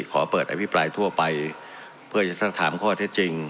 ขอเปิดอภิปรายทั่วไปเพื่อจะสักถามข้อเท็จจริง